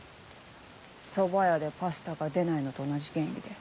そば屋でパスタが出ないのと同じ原理で。